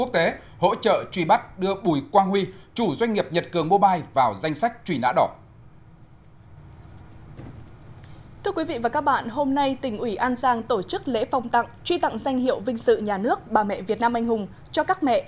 thưa quý vị và các bạn hôm nay tỉnh ủy an giang tổ chức lễ phong tặng truy tặng danh hiệu vinh sự nhà nước bà mẹ việt nam anh hùng cho các mẹ